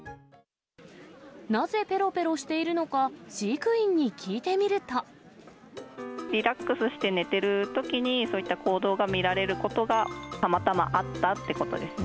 なぜぺろぺろしているのか、リラックスして寝てるときに、そういった行動が見られることがたまたまあったってことですね。